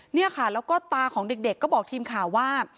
เนี่ยค่ะแล้วก็ตาของเด็กก็บอกทีมข่าวว่า